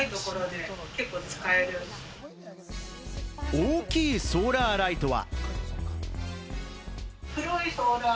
大きいソーラーライトは。